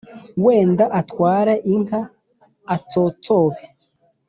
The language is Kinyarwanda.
Wenda atware inka atsotsobe